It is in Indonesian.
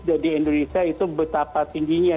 jadi indonesia itu betapa tingginya